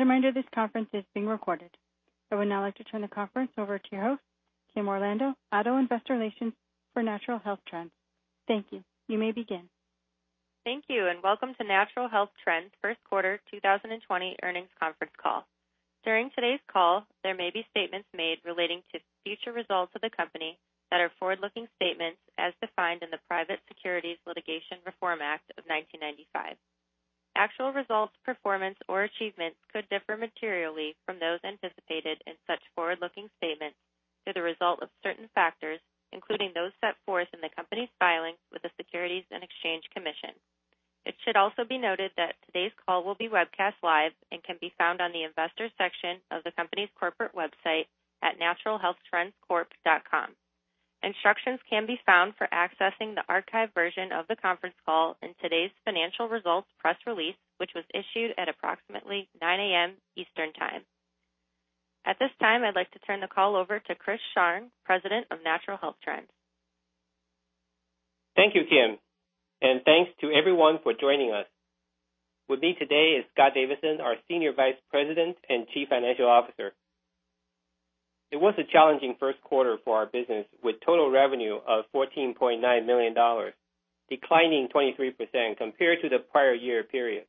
As a reminder, this conference is being recorded. I would now like to turn the conference over to your host, Kim Orlando, ADDO Investor Relations for Natural Health Trends. Thank you. You may begin. Thank you, and welcome to Natural Health Trends' first quarter 2020 earnings conference call. During today's call, there may be statements made relating to future results of the company that are forward-looking statements as defined in the Private Securities Litigation Reform Act of 1995. Actual results, performance, or achievements could differ materially from those anticipated in such forward-looking statements due to the result of certain factors, including those set forth in the company's filings with the Securities and Exchange Commission. It should also be noted that today's call will be webcast live and can be found on the Investors section of the company's corporate website at naturalhealthtrendscorp.com. Instructions can be found for accessing the archived version of the conference call in today's financial results press release, which was issued at approximately 9:00 A.M. Eastern Time. At this time, I'd like to turn the call over to Chris Sharng, President of Natural Health Trends. Thank you, Kim, and thanks to everyone for joining us. With me today is Scott Davidson, our Senior Vice President and Chief Financial Officer. It was a challenging first quarter for our business, with total revenue of $14.9 million, declining 23% compared to the prior year period.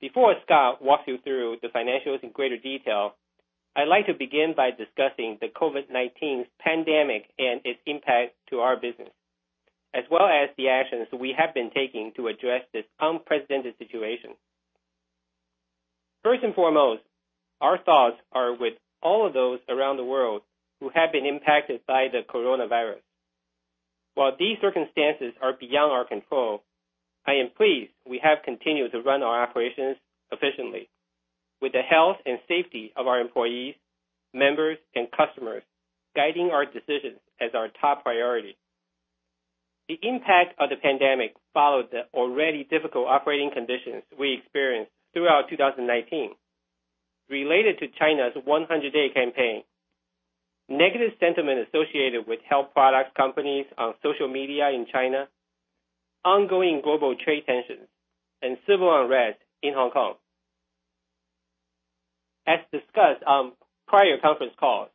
Before Scott walks you through the financials in greater detail, I'd like to begin by discussing the COVID-19 pandemic and its impact to our business, as well as the actions we have been taking to address this unprecedented situation. First and foremost, our thoughts are with all of those around the world who have been impacted by the coronavirus. While these circumstances are beyond our control, I am pleased we have continued to run our operations efficiently, with the health and safety of our employees, members, and customers guiding our decisions as our top priority. The impact of the pandemic followed the already difficult operating conditions we experienced throughout 2019 related to China's 100-Day Campaign, negative sentiment associated with health product companies on social media in China, ongoing global trade tensions, and civil unrest in Hong Kong. As discussed on prior conference calls,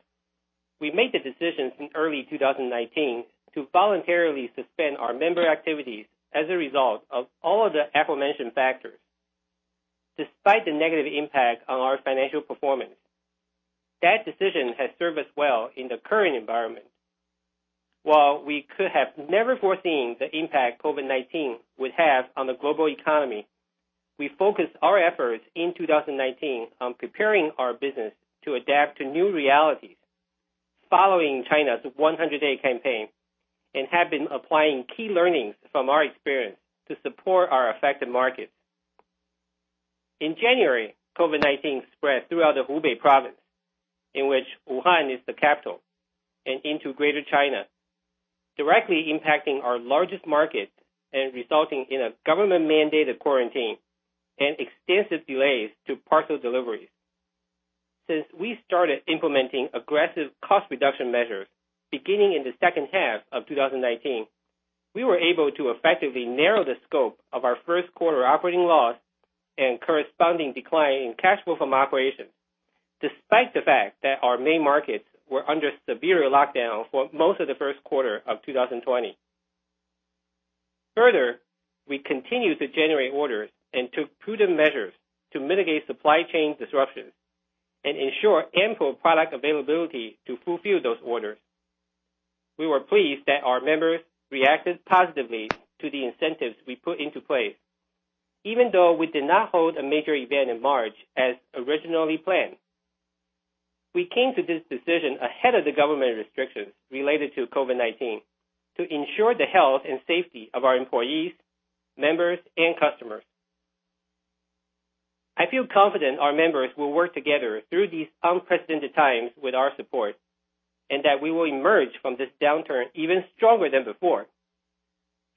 we made the decision in early 2019 to voluntarily suspend our member activities as a result of all of the aforementioned factors. Despite the negative impact on our financial performance, that decision has served us well in the current environment. While we could have never foreseen the impact COVID-19 would have on the global economy, we focused our efforts in 2019 on preparing our business to adapt to new realities following China's 100-Day Campaign and have been applying key learnings from our experience to support our affected markets. In January, COVID-19 spread throughout the Hubei province, in which Wuhan is the capital, and into Greater China, directly impacting our largest market and resulting in a government-mandated quarantine and extensive delays to parcel deliveries. Since we started implementing aggressive cost reduction measures beginning in the second half of 2019, we were able to effectively narrow the scope of our first quarter operating loss and corresponding decline in cash flow from operations, despite the fact that our main markets were under severe lockdown for most of the first quarter of 2020. Further, we continued to generate orders and took prudent measures to mitigate supply chain disruptions and ensure ample product availability to fulfill those orders. We were pleased that our members reacted positively to the incentives we put into place, even though we did not hold a major event in March as originally planned. We came to this decision ahead of the government restrictions related to COVID-19 to ensure the health and safety of our employees, members, and customers. I feel confident our members will work together through these unprecedented times with our support and that we will emerge from this downturn even stronger than before,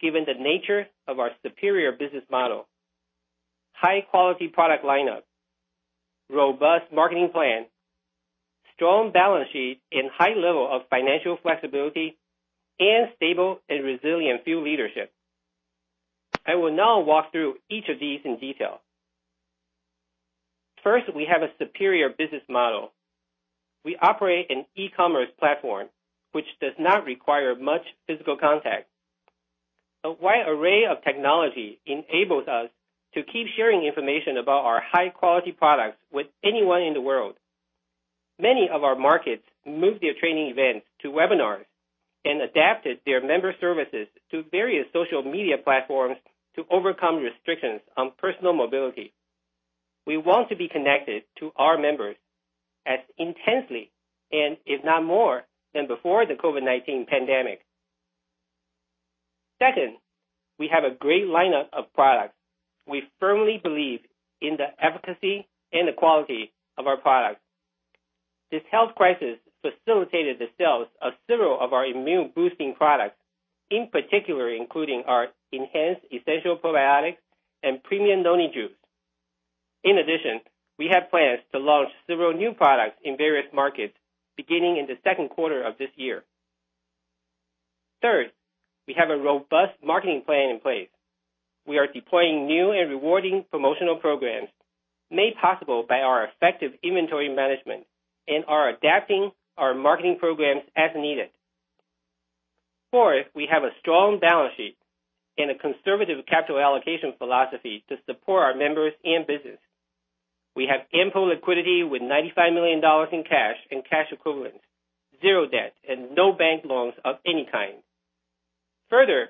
given the nature of our superior business model, high-quality product lineup, robust marketing plan, strong balance sheet, and high level of financial flexibility, and stable and resilient field leadership. I will now walk through each of these in detail. First, we have a superior business model. We operate an e-commerce platform, which does not require much physical contact. A wide array of technology enables us to keep sharing information about our high-quality products with anyone in the world. Many of our markets moved their training events to webinars and adapted their member services to various social media platforms to overcome restrictions on personal mobility. We want to be connected to our members as intensely, and if not more, than before the COVID-19 pandemic. Second, we have a great lineup of products. We firmly believe in the efficacy and the quality of our products. This health crisis facilitated the sales of several of our immune-boosting products, in particular, including our Enhanced Essential Probiotics and Premium Noni Juice. In addition, we have plans to launch several new products in various markets beginning in the second quarter of this year. Third, we have a robust marketing plan in place. We are deploying new and rewarding promotional programs made possible by our effective inventory management and are adapting our marketing programs as needed. Fourth, we have a strong balance sheet and a conservative capital allocation philosophy to support our members and business. We have ample liquidity with $95 million in cash and cash equivalents, zero debt, and no bank loans of any kind. Further,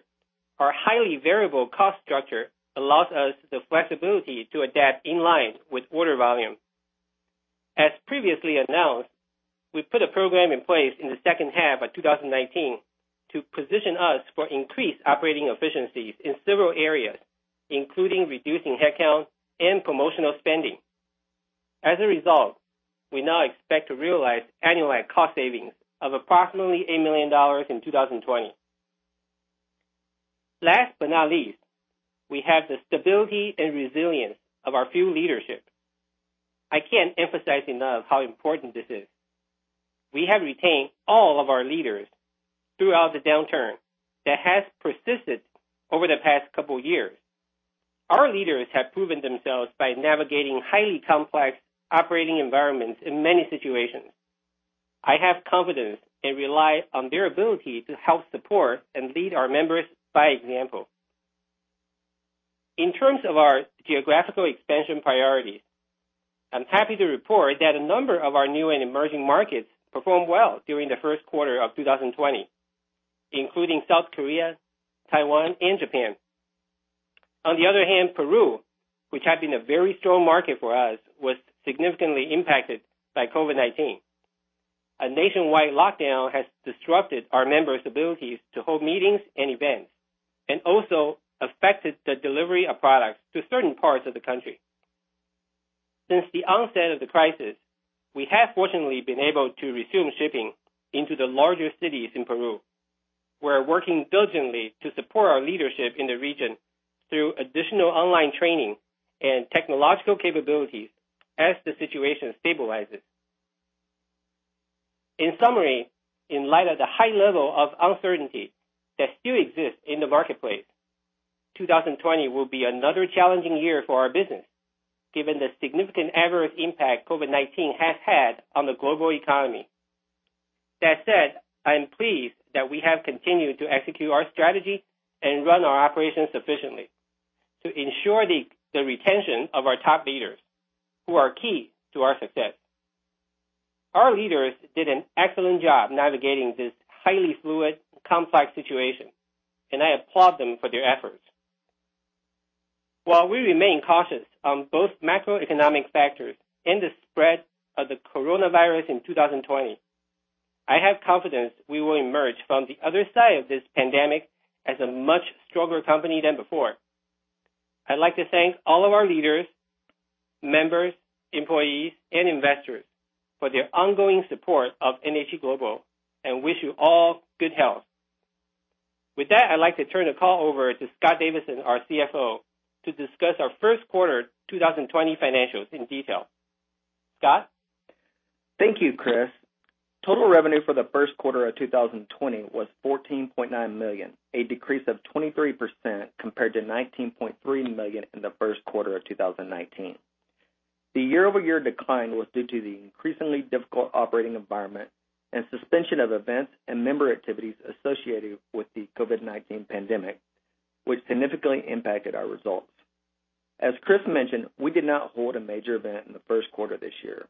our highly variable cost structure allows us the flexibility to adapt in line with order volume. As previously announced, we put a program in place in the second half of 2019 to position us for increased operating efficiencies in several areas, including reducing headcount and promotional spending. As a result, we now expect to realize annualized cost savings of approximately $8 million in 2020. Last but not least, we have the stability and resilience of our field leadership. I can't emphasize enough how important this is. We have retained all of our leaders throughout the downturn that has persisted over the past couple of years. Our leaders have proven themselves by navigating highly complex operating environments in many situations. I have confidence and rely on their ability to help support and lead our members by example. In terms of our geographical expansion priorities, I'm happy to report that a number of our new and emerging markets performed well during the first quarter of 2020, including South Korea, Taiwan, and Japan. On the other hand, Peru, which had been a very strong market for us, was significantly impacted by COVID-19. A nationwide lockdown has disrupted our members' ability to hold meetings and events, and also affected the delivery of products to certain parts of the country. Since the onset of the crisis, we have fortunately been able to resume shipping into the larger cities in Peru. We're working diligently to support our leadership in the region through additional online training and technological capabilities as the situation stabilizes. In summary, in light of the high level of uncertainty that still exists in the marketplace, 2020 will be another challenging year for our business, given the significant adverse impact COVID-19 has had on the global economy. That said, I am pleased that we have continued to execute our strategy and run our operations efficiently to ensure the retention of our top leaders who are key to our success. Our leaders did an excellent job navigating this highly fluid, complex situation, and I applaud them for their efforts. While we remain cautious on both macroeconomic factors and the spread of the coronavirus in 2020, I have confidence we will emerge from the other side of this pandemic as a much stronger company than before. I'd like to thank all of our leaders, members, employees, and investors for their ongoing support of NHT Global and wish you all good health. With that, I'd like to turn the call over to Scott Davidson, our CFO, to discuss our first quarter 2020 financials in detail. Scott? Thank you, Chris. Total revenue for the first quarter of 2020 was $14.9 million, a decrease of 23% compared to $19.3 million in the first quarter of 2019. The year-over-year decline was due to the increasingly difficult operating environment and suspension of events and member activities associated with the COVID-19 pandemic, which significantly impacted our results. As Chris mentioned, we did not hold a major event in the first quarter of this year,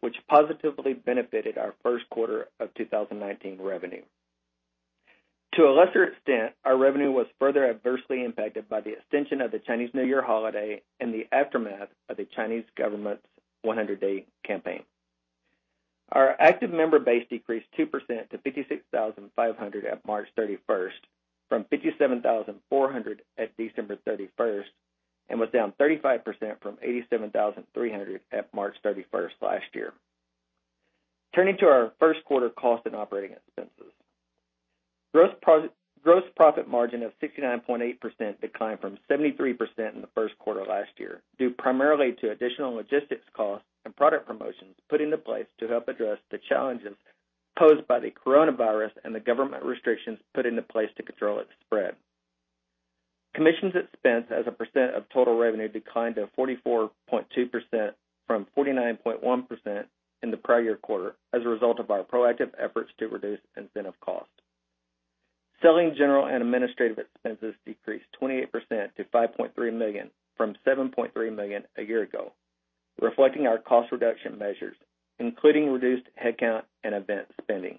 which positively benefited our first quarter of 2019 revenue. To a lesser extent, our revenue was further adversely impacted by the extension of the Chinese New Year holiday and the aftermath of the Chinese government's 100-Day Campaign. Our active member base decreased 2% to 56,500 at March 31st, from 57,400 at December 31st, and was down 35% from 87,300 at March 31st last year. Turning to our first quarter cost and operating expenses. Gross profit margin of 69.8% declined from 73% in the first quarter last year, due primarily to additional logistics costs and product promotions put into place to help address the challenges posed by the coronavirus and the government restrictions put into place to control its spread. Commissions expense as a percent of total revenue declined to 44.2% from 49.1% in the prior year quarter as a result of our proactive efforts to reduce incentive cost. Selling, general, and administrative expenses decreased 28% to $5.3 million from $7.3 million a year ago, reflecting our cost reduction measures, including reduced headcount and event spending.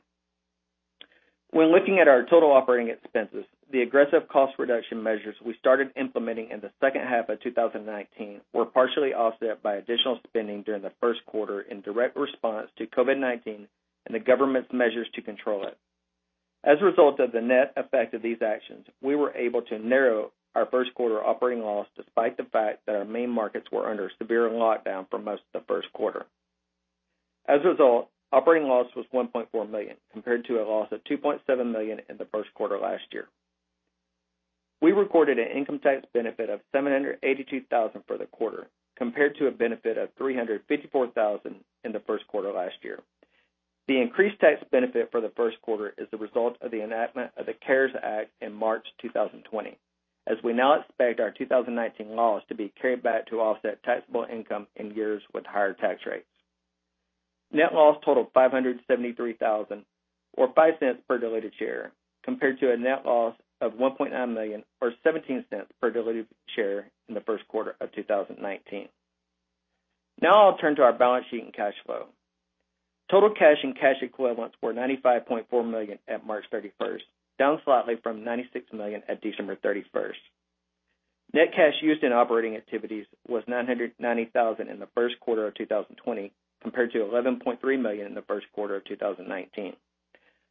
When looking at our total operating expenses, the aggressive cost reduction measures we started implementing in the second half of 2019 were partially offset by additional spending during the first quarter in direct response to COVID-19 and the government's measures to control it. As a result of the net effect of these actions, we were able to narrow our first quarter operating loss despite the fact that our main markets were under severe lockdown for most of the first quarter. Operating loss was $1.4 million, compared to a loss of $2.7 million in the first quarter last year. We recorded an income tax benefit of $782,000 for the quarter, compared to a benefit of $354,000 in the first quarter last year. The increased tax benefit for the first quarter is the result of the enactment of the CARES Act in March 2020, as we now expect our 2019 loss to be carried back to offset taxable income in years with higher tax rates. Net loss totaled $573,000, or $0.05 per diluted share, compared to a net loss of $1.9 million, or $0.17 per diluted share in the first quarter of 2019. Now I'll turn to our balance sheet and cash flow. Total cash and cash equivalents were $95.4 million at March 31st, down slightly from $96 million at December 31st. Net cash used in operating activities was $990,000 in the first quarter of 2020, compared to $11.3 million in the first quarter of 2019.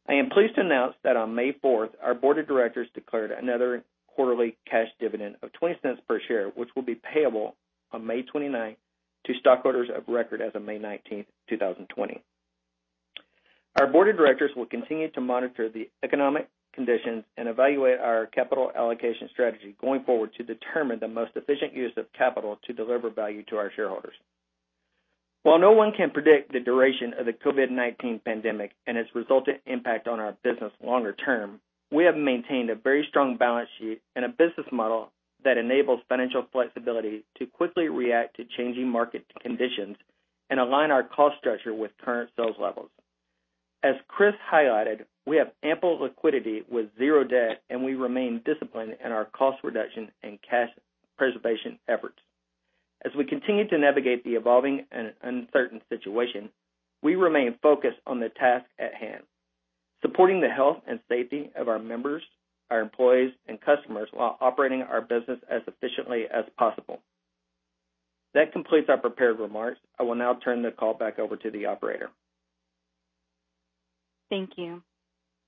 I am pleased to announce that on May 4th, our board of directors declared another quarterly cash dividend of $0.20 per share, which will be payable on May 29th to stockholders of record as of May 19th, 2020. Our board of directors will continue to monitor the economic conditions and evaluate our capital allocation strategy going forward to determine the most efficient use of capital to deliver value to our shareholders. While no one can predict the duration of the COVID-19 pandemic and its resultant impact on our business longer term, we have maintained a very strong balance sheet and a business model that enables financial flexibility to quickly react to changing market conditions and align our cost structure with current sales levels. As Chris highlighted, we have ample liquidity with zero debt, and we remain disciplined in our cost reduction and cash preservation efforts. As we continue to navigate the evolving and uncertain situation, we remain focused on the task at hand: supporting the health and safety of our members, our employees, and customers, while operating our business as efficiently as possible. That completes our prepared remarks. I will now turn the call back over to the operator. Thank you.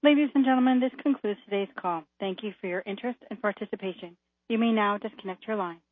Ladies and gentlemen, this concludes today's call. Thank you for your interest and participation. You may now disconnect your line.